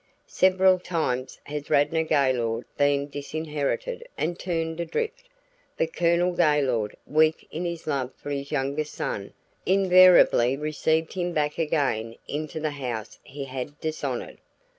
"Several times has Radnor Gaylord been disinherited and turned adrift, but Colonel Gaylord, weak in his love for his youngest son, invariably received him back again into the house he had dishonored.